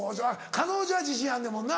彼女は自信あんねんもんな。